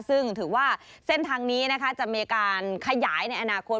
ซึ่งถือว่าเส้นทางนี้นะคะจะมีการขยายในอนาคต